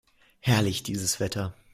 Herrlich, dieses Wetter!